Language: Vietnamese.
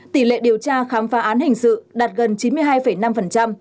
tỷ lệ điều tra khám phá án hình sự đạt gần chín mươi hai năm